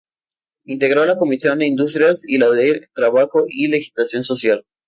Integró la comisión de Industrias y la de Trabajo y Legislación Social.